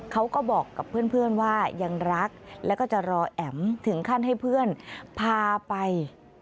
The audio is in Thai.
เขาก็บอกกับเพื่อนว่ายังรักแล้วก็จะรอแอ๋มถึงขั้นให้เพื่อนพาไป